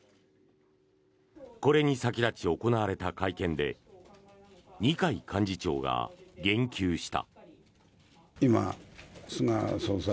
これに先立ち行われた会見で二階幹事長が言及した。